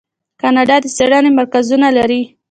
کاناډا د څیړنې مرکزونه لري.